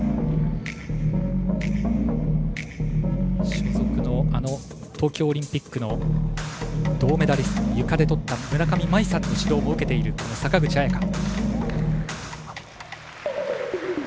所属の東京オリンピックの銅メダリスト、ゆかでとった村上茉愛さんの指導も受けている坂口彩夏。